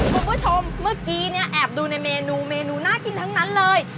คุณผู้ชมเมื่อกี้เนี่ยแอบดูในเมนูเมนูน่ากินทั้งนั้นเลย